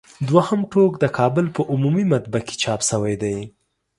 دوهم ټوک د کابل په عمومي مطبعه کې چاپ شوی دی.